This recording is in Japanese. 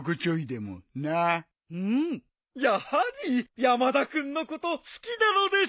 やはり山田君のこと好きなのでしょう！